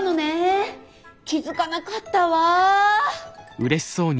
気付かなかったわぁ。